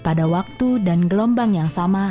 pada waktu dan gelombang yang sama